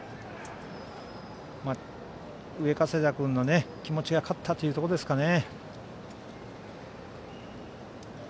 上加世田君の気持ちが勝ったというところですかね。